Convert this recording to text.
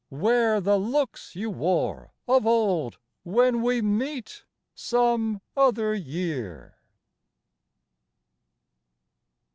Wear the looks you wore of old When we meet, some other year.